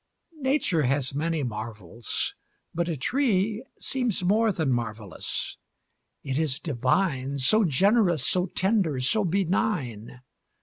Nature has many marvels; but a tree Seems more than marvellous. It is divine. So generous, so tender, so benign.